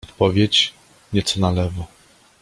odpowiedź - nieco na lewo.